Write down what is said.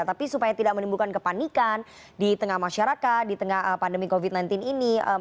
tapi supaya tidak menimbulkan kepanikan di tengah masyarakat di tengah pandemi covid sembilan belas ini